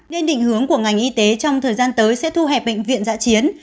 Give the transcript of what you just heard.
nên định hướng của ngành y tế trong thời gian tới sẽ thu hẹp bệnh viện giã chiến